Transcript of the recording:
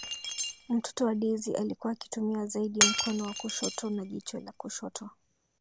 Mtoto wa Daisy alikuwa akitumia zaidi mkono wa kushoto na jicho la kushoto